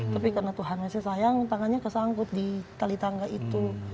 tapi karena tuhannya sih sayang tangannya kesangkut di tali tangga itu